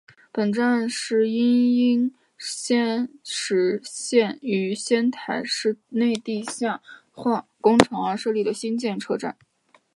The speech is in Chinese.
本站是因应仙石线于仙台市内地下化工程而设立的新建车站。